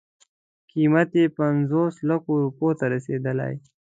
قیمت یې پنځوس لکو روپیو ته رسېدله.